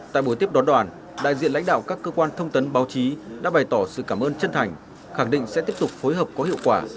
tại buổi tiếp đón đoàn đại diện lãnh đạo các cơ quan thông tấn báo chí đã bày tỏ sự cảm ơn chân thành khẳng định sẽ tiếp tục phối hợp có hiệu quả